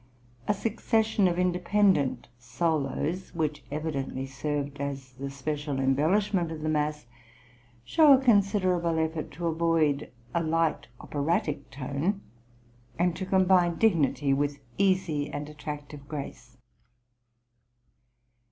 A succession of independent solos, which evidently served as the special embellishment of the mass, show a considerable effort to avoid a light operatic tone, and to combine dignity with easy and attractive grace.